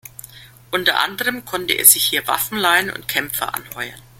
Unter anderem konnte er sich hier Waffen leihen und Kämpfer anheuern.